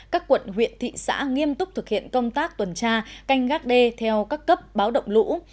các quận huyện thị xã nghiêm túc thực hiện công tác tuần tra canh gác đê theo các cấp báo động lũ